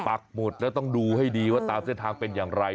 ปักหมุดแล้วต้องดูให้ดีว่าตามเส้นทางเป็นอย่างไร